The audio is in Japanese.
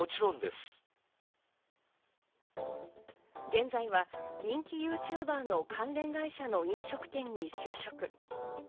現在は人気ＹｏｕＴｕｂｅｒの関連会社の飲食店に就職。